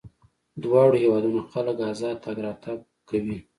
دواړو هېوادونو خلک ازاد تګ راتګ کوي.